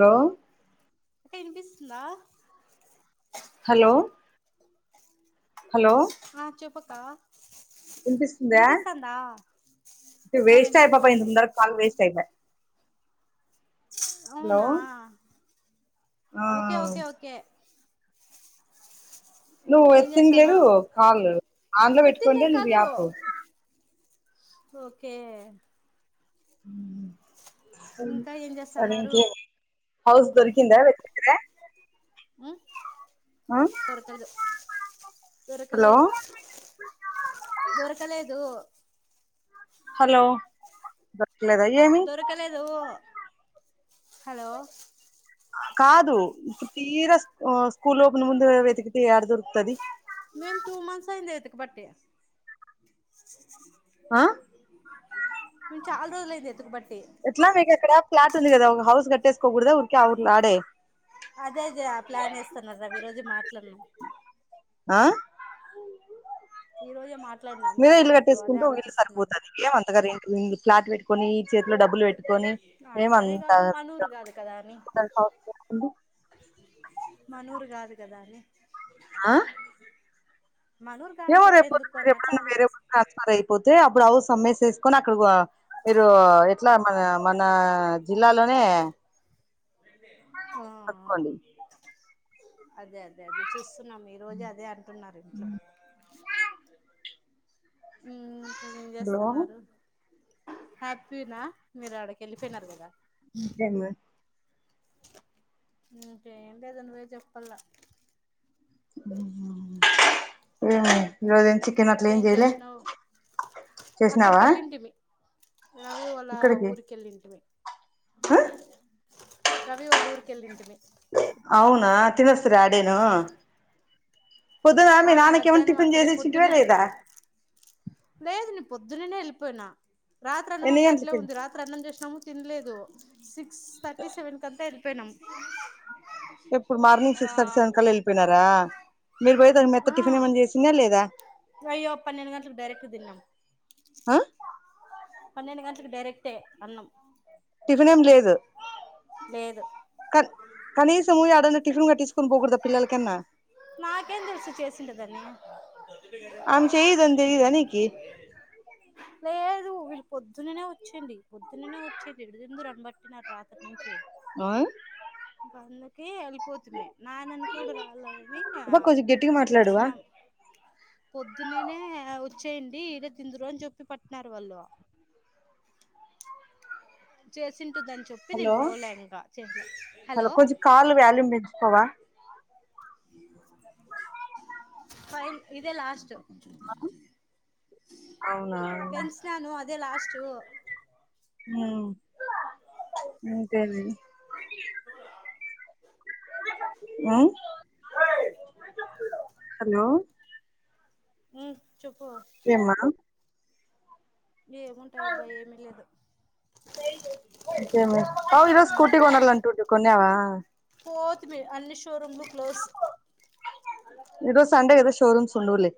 Hello అక్క ఇనిపిస్తుందా hello hello ఆ చెప్పక్క వినిపిస్తాందా ఈ ఆ వేస్ట్ ఆయి పొపాయింది వినిపిస్తాంది తుందర కాల్ వేస్ట్ అయిపోయే హలో అవునా ఆ ఓకే ఓకే ఓకే నువ్వు ఏం ఎత్తింగ్ లేదు చేస్తాన్నావ్ కాల్ ఆన్లా పెట్టుకొన్లే ఎత్తిండేది నువ్వు కాదు యాప్ ఓకే ఇంకా ఏం సరే చేస్తన్నారు ఇంకేమి హౌస్ దొరికిందా వేత్ [unintelligible] ఉమ్ దొరకలే హలో దొరకలేదు దొరకలేదు హలో ఆ ఆ దొరకలేదు హలో కాదు సీదా ఓ స్కూల్ లో ఓపన్ ముందు వెతికితే ఏడ దొరుకుతది. మేము టూ మంత్స్ అయింది వెతకబట్టి ఆ చాలా రోజలయ్యింది ఎతకబట్టి ఎట్లా మీకుకెక్కడా ఫ్లాట్ ఉంది కదా ఒక హౌస్ కట్టేసుకోకడదు ఊరికే ఆ ఊర్లాడే అదే అదే ఆ ప్లాన్ వేస్తానుదా ఈ రోజు మాట్లాడిన్నాం ఆ ఈ రోజే మాట్ మీరే ఇల్లు కట్టేసుకుంటే ఒక ఇల్లు సరిపోతది ఏం అంతగా రెంట్ ఫ్లాట్ పెట్టుకొని చేతిలో డబ్బులు పెట్టుకొని ఏం అట్లానే అంతా కాదు మనూరు కాదు కదా అని [unintelligible] మనూరు కాదు కదా మనూరు కాని ఏవో చోట ఎందుకు రేపొద్దునా అన్నట్లు ఎప్పుడన్నా వేరే ఆలోచిస్త [inaudible] ట్రాన్స్ఫర్ అయిపోతే అప్పుడు హౌస్ అమ్మేసి తీసుకొని అక్కడగో మీరు ఎట్లా మన మన జిల్లాలోనే ఆ కట్టుకోవాలి అదే అదే అదే చూస్తున్నాం ఈ రోజే అదే అంటున్నారు ఇంట్లో ఉమ్ ఏం హలో చేస్తున్నారు హ్యాపీనా మీరు ఆడకి వెళ్ళిపోయినారు కదా ఇంకేమి ఇకేం లేద నువ్వే చెప్పాల ఏమి ఈ రోజెం చికెన్ అట్ల ఏం చెయలే అక్కడికి ఏళ్ళింటి మీ రవి వాళ్ళ ఇక్కడికి ఊరికిల్లిండు రవి ఒళ్ళ ఊరుకెళ్ళింటిమీ అవునా తినస్తరా ఆడేను పొదున్నా మీ ఆ నాన్నకు ఏమన్నా మధ్యాహ్నం టిఫన్ అక్కడే చేసచ్చుంటివా పొద్దున్న లేదా లేదు నీ పొద్దున్నేనే వెళ్ళిపోయినా రాత్రి అన్నం ఎన్ని అంతా అట్లే గంటలకి ఉంది రాత్రి అన్నం చేసినాము తినలేదు సిక్స్ థర్టీ సెవెన్ కల్లా వెళ్ళిపోయినాం ఎప్పుడు మార్నింగ్ ఆ సిక్స్ థర్టీ సెవెన్ కల్లా వెళ్ళపోయినారా మీరు పోయదానికి మీ అత్త టిఫిన్ ఏమైన్నా చేసిందా లేదా ఇగో పన్నెండు గంటలకు డైరక్ట్ తిన్నాం ఆ పన్నెండు గంటకి డైరెక్టే అన్నం టిఫిన్ ఏం లేదు లేదు క కనీసము ఏడన్న టిఫిన్ గట్టిచుకొని పోకూడదా పిల్లలకన్నా అ ఆన్ చెయ్ ఇదని తెలీదా నీకి లేదు వీళ్ళు పొద్దున్ననే వచ్చండి పొద్దున్ననే వచ్చేంది ఎడుది రనబట్టినారు రాత్ అప్పట్నించే ఆ గందుకే ఆల్ పోతుమే నాన్న కూడా రాలని ఆ అబ్బా కొంచెం గట్టిగా మాట్లాడువా పిలిచినాం పొద్దుననే అవుద్ చేయండి ఈడ తిందురు అని చెప్పి పట్టినరు వాళ్ళు చేసింటుందని చెప్పి నేను హలో పోలే ఇంకా చేసిన హలో కొంచెం కాల్ వాల్యూమ్ పెంచుకోవా ఫైన్ ఇదే లాస్ట్ మా అవునా పెంచినాను అదే లాస్ట్ ఉమ్ ఊ ప్చ్ ఇంకేమి ఆ హలో ఉ చెప్పు ఏమ్మా ఏముంటాయి అబ్బా ఏమి లేదు అంతేనే బావ ఈ రోజు స్కూటీ కొనల్ అంటుండు కొన్యావా పోతుమీ అన్ని షోరూం లు క్లోజ్ ఈ రోజు సండే కదా షోరూమ్స్ ఉండవులే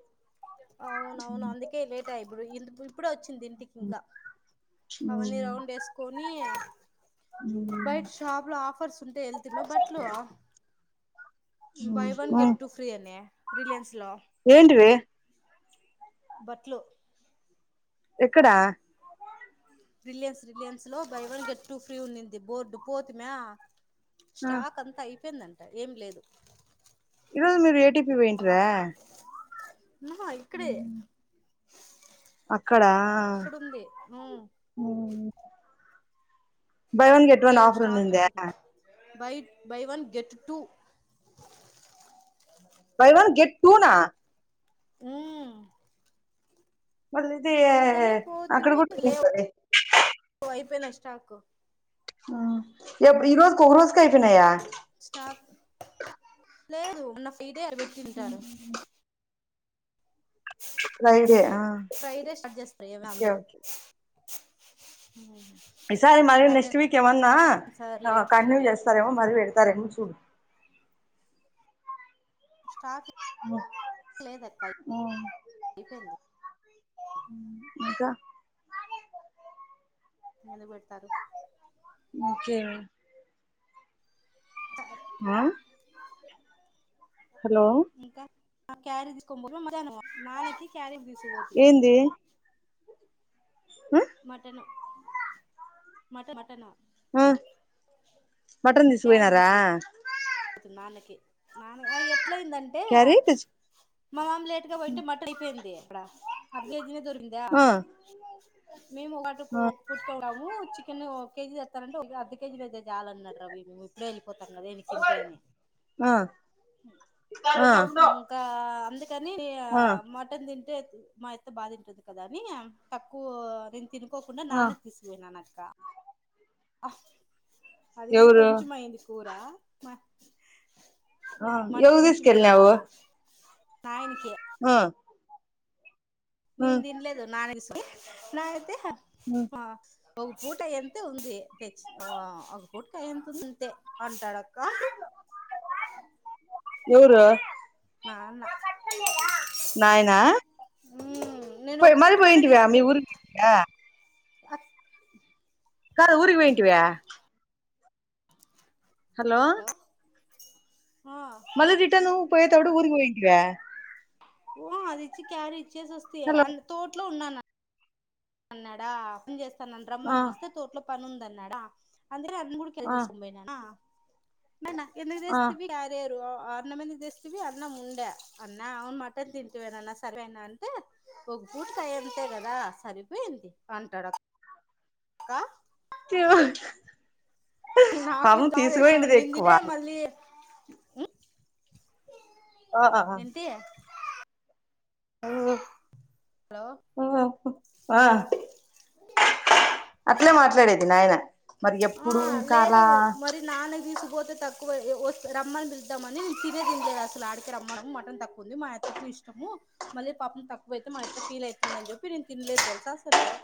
అవునవును అందుకే లేట్ అయ్య ఇప్పుడు ఇందు ఇప్పుడు వచ్ వచ్చింది ఇంటికి ఇంకా అవన్నీ ఉమ్ రౌండ్ వేసుకొని ఉమ్ బయట్ షాప్ లో ఆఫర్స్ ఉంటే వెళ్తూన్న బట్లు buy one get two free అన రిలయన్స్ లో ఏంటివి బట్లు ఎక్కడా రిలయన్స్ రిలయన్స్ లో buy one get two free ఉంది బోర్డు పోతు మ్యా స్టాక్ అంతా అయిపోయిందంట ఏం లేదు ఇ రోజు మీరు ఏటీపి వయంట్ర నా ఇక్కడే ఇక్కడ ఇక్కడుంది ఉమ్ ఊ బై వన్ గెట్ వన్ లేవు ఆఫర్ స్టాక్ ఉన్నిందా అయిపోయింది buy buy one get two buy one get టూనా ఉమ్ మళ ఇది అందుకని అక్కడ పోతిమి కూడా టు ఇతది స్టాకు ఆ ఎపుడు ఈ రోజు ఒక రోజుకి ఐపోనయా స్టాక్ లేదు మొన్న ఫ్రీ డే ఆడ పెట్టింటారు ఫ్రైడే ఫ్రై డే స్టార్ట్ చేస్తరు ఏ వ్యాన్ ఓకే దో ఓకే ఈ సారి మరీ నెక్స్ట్ వీక్ ఏమన్నా సర్లే ఆ కంటిన్యూ చేస్తారేమో మరి పెడతారేమో చూడు స్టాక్ ఇంకా లేదక్క ఆ అయిపోయింది ఊ ఇంక నిలబెడతారు నాకేమి ఆ. హలో ఇంకా క్యారేజ్ తీసుకోనీ పోదుమ్ మధ్యానము నాన్న కీ క్యారేజ్ దిసుకుపోతినే. ఏంది ఆ మటను మట మటను. ఓ మటన్ దిసుకుపోయరా. ఇది నాన్న కీ నాన్న. ఎట్లైందంటే అ క్యారీ తెచ్చు మామ్ లేట్ గా పోయిఉంటే మటన్ అయిపోయింది దే అర కేజీనే దొ. ఇందా ఆ మేము అటుకు ఆ కుట్కడాము. చికెను ఒక్కే కేజీ తెత్తా నంటే ఒక ఇగ అద్ద కేజీనే ఐతే చాలూ అన్నాడు రా వీడు ఇప్పుడే ఏళ్ళపోతాం అన్నాడు. తింటంది ఆ ఇంకా అందుకే. కాని ఇగ ఆ మటన్ తింటే మా యఅత్త బాగా తింటుంది కదా అని యే తక్కువ. తినుకోకుండా ఆ నాన్నకి తీసుకుపోయిన నక్క హ. అది గూడా ఎవరు కొంచం అయింది కూర మా. ఆ ఎవుతీసికెల్లినావు. నాయనికే. ఆ. ఆ నేను దిన్లేదు నాన్న కీస్తే నానైతే హ ఆ. ఒక పూటయే ఎంత ఉంది తెచ్చినావా ఒక పూటయే ఎంత ఉంటే అంటాడు. ఆహు. ఎవరు నాన్న. దా నేను పోయి ఒక మల్లా పూటకనే పోయింటివా మీ తీసుకుపోయేదా ఊరుకి కా. హలో కాదు ఊరికి పోంటివ్య. హలో. మళ్ళ రిటనూ పోయతప్పుడు ఊరుకి పోయిటివ్య. ఓ అది ఇచ్చి క్యారీ ఇచ్చేస స్తి ఏ హలో అన్ తోట్లో ఉన్నాన. అన్నాడా పని చేస్తానని ఆ రమ్మని పిలిస్తే తోట్లో పని ఉందన్నాడా. అందులో అన్ముడకెళ్లి ఆ తీసుకునిబొయినా. మరి నా కెందుకు ఆ దేస్తివి కారు. ఇగ అన్నం ఎందుకు తెస్తివి అన్నం ముండే అన్నా మటన్ తింటువ్ అన్న సరిపోయిందా. ఒగ్ టాయానికే గదా సరిపోయింది అంటాడు అ. తివ నాకిట్ల ఆవేశం నిందింటే మళ్ళీ ఉమ్. ఆ ఎంతియే. ఓ హలో ఓ ఆ. అట్లేనే మాట్లాడేది నాయిన. ఆ లేదు మరి నాన్న దిసుకుపోతే త. వోది కోసి రమ్మని పిలుద్దామని తినే తింటేది అసలు ఆడికే రమ్మనుము మటన్ తక్కువ ఉంది మా అత్తకు ఇష్టము. మళ్ళీ పప్పు తక్కువ అయితే మా యత్త ఫీల్ అయితుందని చెప్పి నేను తినలేదు తెలుసా అసలూ ఓ.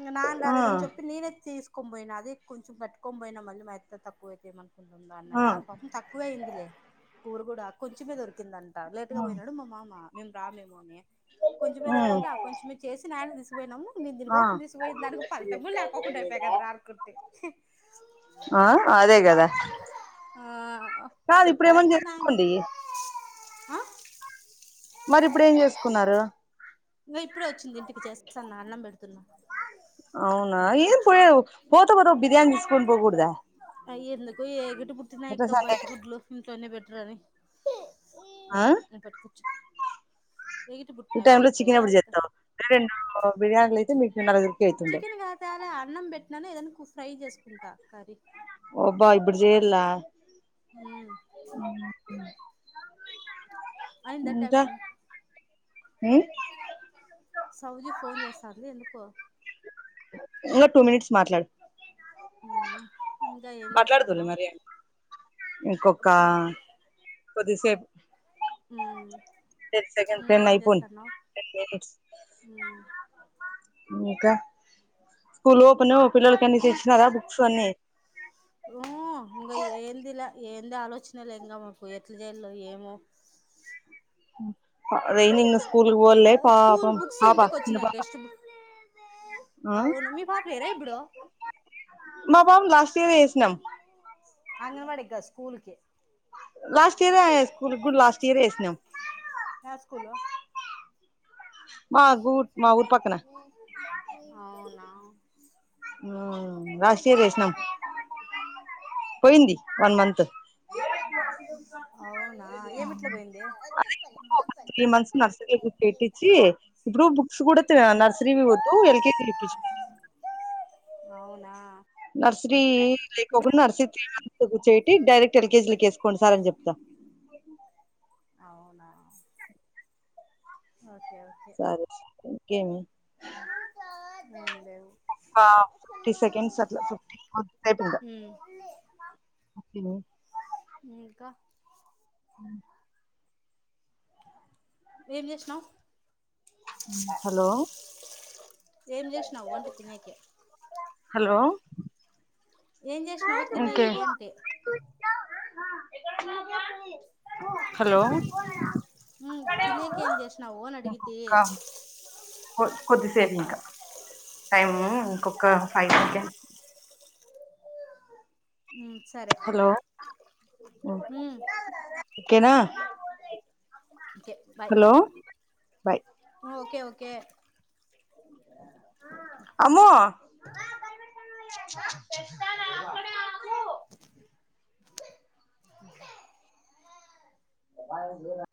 ఇగ నాన్ ఆ రాలేదని చెప్పి నేనే తీసుకోని పోయినా అది కొంచం కట్టుకోనీ పోయినా మళ్ళీ మ అత్త తక్కువ అయితేన. అన్నట్ ఆ పాపం తక్కువ అయ్యిందిలే కూర గూడా కొంచమే దొరికింద. లేట్ గా పోయినాడు మా మామ మేము రామేమో అని కొంచమే దొరికింటే ఆ కొంచమే చేసి నాన్నకీ తి. ఆ. ఫలితం కూడా లేకోకుండా అయిపోయా కదరా అనుకుంటి ఆ అదే గదా. ఆ ఆ చెప్పలేం గద చేసుకోండి ఆ. మరి ఇప్పుడు ఏం జేసుకున్నారు. ఇంగ ఇప్పుడే వచ్చింది ఇంటికి చేస్తాన్న అన్నం పెడుతున్నా అవునా ఏం కూర్చో పోయావ్ పోత పోత ఓ బిర్యానీ దిస్కోన్ బోగుడందా. అయ్ ఎందుకు ఎగుటి పుట్టినాయ్ ఇక్క సండే బయట కదా గుడ్లు ఇంట్లోనే బెట్రాని. ఆ ఉహ్ నన్ పట్టు కూర్చో ఈ టై లో చికెన్ ఎప్పుడు జేతావ్. రెండు బిర్యానీలు అయితే మీకు నలుగుర్ చికెన్ కదతేలే అన్నం బెట్టినాను ఏదన్నా కు ఫ్రై చేసుకుంటా కర్రీ. ఒబ్బా ఇబ్బుడ్ జేయాలా. అయిందా టైం ఉ ఉహ్ సౌజీ ఫోన్ జేస్తాంది ఎందుకో ఇంగా టూ మినిట్స్ మాట్లాడు హుమ్మ్ నా ఇంకా ఏం జేస్తాన్నావ్. ఇంకొక్క కొద్దిసేప్ హుహ్ టెన్ సెకడ్ టెన్ అయిపోన్ టెన్ మినిట్స్. ఇంకా స్కూల్ ఓపెన్ పిల్లలకి అన్ని తెచ్చినాదా బుక్స్ అన్ని. ఓ ఇంగా ఏంది లే, ఏంది ఆలోచన లే ఇంగా మాకు ఎట్లా చేయలో ఏమో. యాచింద్ అదైంది. ఇంగా స్కూల్కకి బోవలే స్కూల్ పాపం బుక్స్ పాపా ఇంటికి చిన్న వచ్చినాయి పాప. టెక్స్ట్ బుక్ ఆ అవును మీ పాప హెయరా ఇబ్బుడు. తినేసనం అంగన్వాడి గాదు స్కూల్ కే లాస్ట్ ఇయరే స్కూల్కి గుడ్ లాస్ట్ ఇయరే ఏసనమ్. ఏ స్కూల్ మా గు మా ఊరు పక్కన అవునా నో లాస్ట్ ఓకే ఇయర్ ఏచనం. ఓకే పోయింది వన్ మంత్. అవునా ఏమిట్లా బోయింది. త్రీ మంత్స్ నర్సరీ పెట్టించి ఇప్పుడు బుక్స్ కూడా తే నర్సరీవి ఓద్దు ఎల్కేజీవీ ఇప్పించ్ అవునా నర్సరీ ఇప్పుడు లేకకుండా నర్సి త్రీ మంత్స్ కూర్చోవేటి డైరెక్ట్ ఎలకేజిలక్ ఏసుకోండి సార్ అని జెప్తా. యహు అవునా సార్ సరే ఇంకేమి మేము లేవ్ ఒక ఫిఫ్టీ సెకంస్ అట్లా ఫిఫ్టీ అయిపిందా. ఓక్ కిలో ఇంకా ఉహు ఏం జేశనవ్. హలో ఏం జేశనవ్ ఒంట తినేకే హలో ఏం జేశనవ్ ఇంకే తినేకి అంటే హలో హు తినేకి ఏజెశనవు అని అడిగతే. కొ కొద్దిసేపు ఇంకా టైమ్ ఇంకొక ఫైవ్ సెకండ్ సరే హలో కేనా చ బయ్ బయ్ ఓకే ఓకే అమ్మో అ [inaudible] తెస్తాన అక్కడే ఆగు అ భయం లేదా